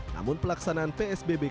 namun pelaksanaan psbb kedepannya